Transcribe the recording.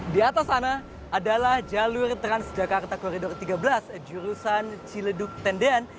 di atas sana adalah jalur transjakarta koridor tiga belas jurusan ciledug tendean